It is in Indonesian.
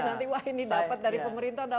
nanti wah ini dapat dari pemerintah udah